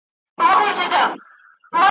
او ځوان شاعران زیاتره د نورو شاعرانو ,